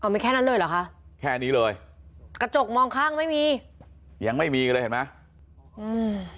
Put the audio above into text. มีแค่นั้นเลยเหรอคะแค่นี้เลยกระจกมองข้างไม่มียังไม่มีเลยเห็นไหมอืม